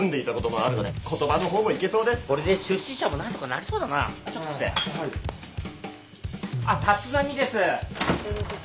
あっ立浪です。